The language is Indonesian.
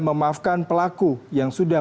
memaafkan pelaku yang sudah